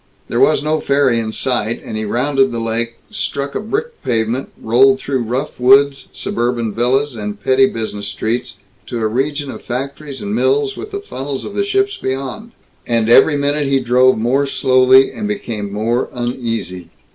There was no ferry in sight, and he rounded the lake, struck a brick pavement, rolled through rough woods, suburban villas, and petty business streets, to a region of factories and mills, with the funnels of ships beyond. And every minute he drove more slowly and became more uneasy.